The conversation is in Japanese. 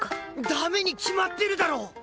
ダメに決まってるだろ！